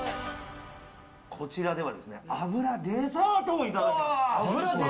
こちらでは、脂デザートをいただけます。